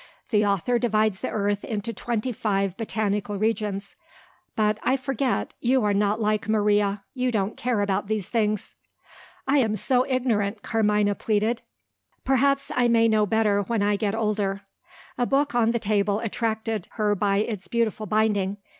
The author divides the earth into twenty five botanical regions but, I forget; you are not like Maria; you don't care about these things." "I am so ignorant," Carmina pleaded. "Perhaps, I may know better when I get older." A book on the table attracted her by its beautiful binding.